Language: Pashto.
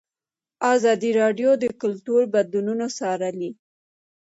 ازادي راډیو د کلتور بدلونونه څارلي.